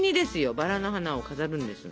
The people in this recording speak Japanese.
バラの花を飾るんですよ